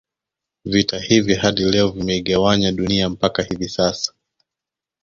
Vita hivi hadi leo vimeigawanya Dunia mpaka hivi sasa